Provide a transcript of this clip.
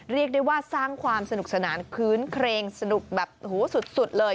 เรียกได้ว่าสร้างความสนุกสนานคื้นเครงสนุกแบบหูสุดเลย